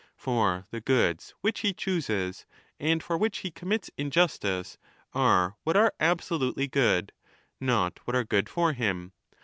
For the goods which he chooses and for which he commits injustice are what are absolutely good, not what are good for him.